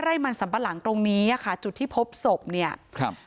ไร่มันสัมปะหลังตรงนี้อ่ะค่ะจุดที่พบศพเนี่ยครับ